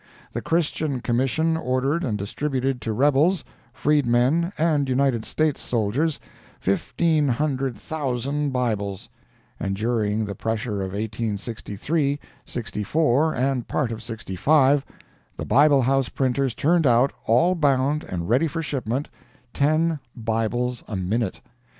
The Christian Commission ordered and distributed to rebels, freedmen and United States soldiers, fifteen hundred thousand Bibles!—and during the pressure of 1863, '64, and part of '65, the Bible House printers turned out, all bound and ready for shipment, TEN BIBLES A MINUTE!